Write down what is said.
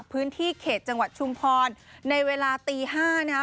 พื้นที่เขตจังหวัดชุมพรในเวลาตี๕นะคะ